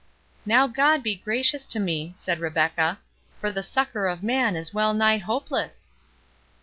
"Now God be gracious to me," said Rebecca, "for the succour of man is well nigh hopeless!"